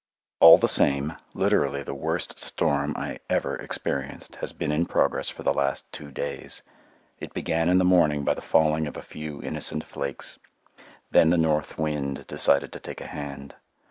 All the same, literally the worst storm I ever experienced has been in progress for the last two days. It began in the morning by the falling of a few innocent flakes. Then the north wind decided to take a hand.